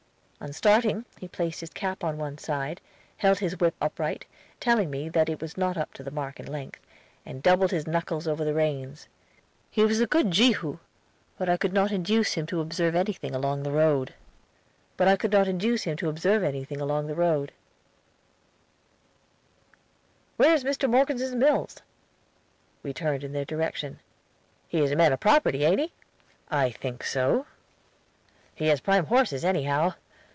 On starting he placed his cap on one side, held his whip upright, telling me that it was not up to the mark in length, and doubled his knuckles over the reins. He was a good Jehu, but I could not induce him to observe anything along the road. "Where's Mr. Morgeson's mills?" We turned in their direction. "He is a man of property, ain't he?" "I think so." "He has prime horses anyhow.